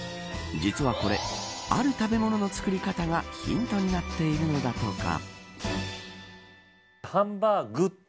実はこれ、ある食べ物の作り方がヒントになっているのだとか。